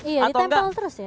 iya ditempel terus ya